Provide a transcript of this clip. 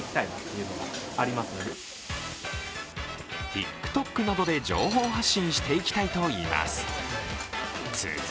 ＴｉｋＴｏｋなどで情報発信していきたいとしています。